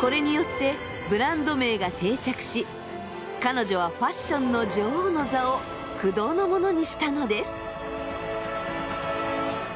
これによってブランド名が定着し彼女はファッションの女王の座を不動のものにしたのです。